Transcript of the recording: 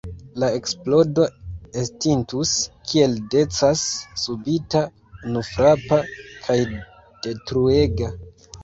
La eksplodo estintus – kiel decas – subita, unufrapa kaj detruega.